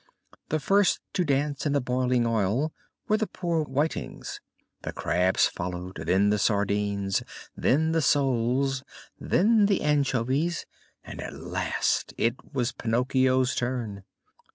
The first to dance in the boiling oil were the poor whitings; the crabs followed, then the sardines, then the soles, then the anchovies, and at last it was Pinocchio's turn.